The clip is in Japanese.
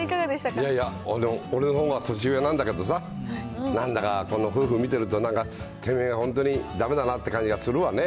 いやいや、俺のほうが年上なんだけどさ、なんだかこの夫婦見てると、なんか、てめぇは本当にだめだなって感じがするわね。